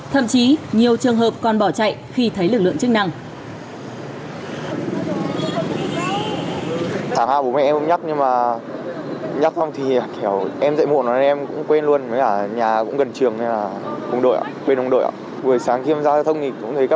thậm chí nhiều trường hợp còn bỏ chạy khi thấy lực lượng chức năng